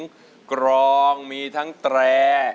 นี่พร้อมอินโทรเพลงที่สี่มาเลยครับ